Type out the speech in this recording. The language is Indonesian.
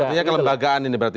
artinya kelembagaan ini berarti